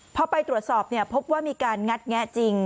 พอไปตรวจสอบพบว่ามีการงัดแงะจริง